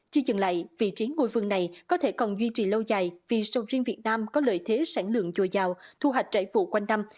chưa dừng lại vị trí ngôi vườn này có thể còn duy trì lâu dài vì sầu riêng việt nam có lợi thế sản lượng dồi dào thu hoạch trải vụ quanh năm